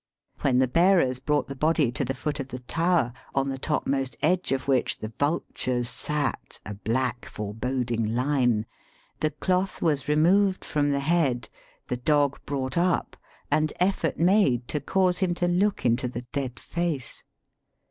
When the bearers brought the body to the foot of the tower on the topmost edge of which the vultures sat, a black foreboding Hne, the cloth was removed from the head, the dog brought up, and effort made to cause him to look into the dead face.